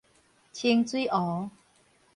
清水湖